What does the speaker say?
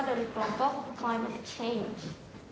dari kelompok climate change